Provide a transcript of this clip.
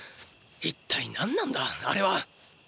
一体何なんだあれはーー！